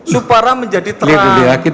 supara menjadi terang